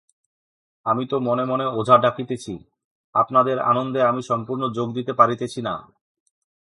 আমি মনে মনে ওঝা ডাকিতেছি—আপনাদের আনন্দে আমি সম্পূর্ণ যোগ দিতে পারিতেছি না।